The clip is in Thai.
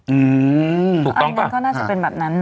อืมถูกต้องป่ะอันนั้นก็น่าจะเป็นแบบนั้นนะ